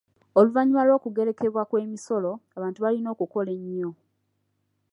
Oluvannyuma lw’okugerekebwa kw’emisolo, abantu balina okukola ennyo.